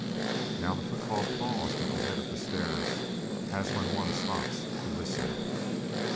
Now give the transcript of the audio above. Now the footfall paused at the head of the stairs, as when one stops to listen.